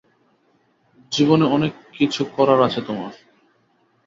জীবনে অনেক কিছু করার আছে তোমার।